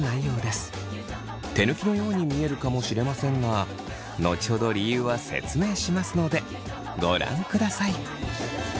手抜きのように見えるかもしれませんが後ほど理由は説明しますのでご覧ください。